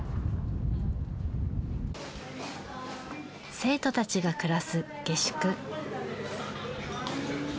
生徒たちが暮らす下宿。